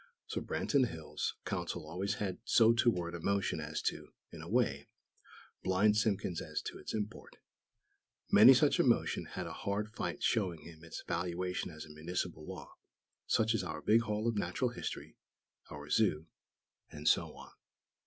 So Branton Hills' Council always had so to word a "motion" as to, in a way, blind Simpkins as to its import. Many such a motion had a hard fight showing him its valuation as a municipal law; such as our big Hall of Natural History, our Zoo, and so on.